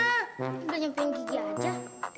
udah nyampein gigi aja